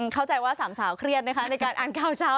เข้าใจว่าสามสาวเครียดนะคะในการอ่านข่าวเช้า